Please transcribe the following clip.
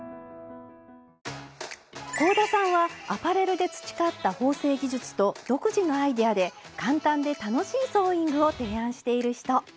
香田さんはアパレルで培った縫製技術と独自のアイデアで簡単で楽しいソーイングを提案している人。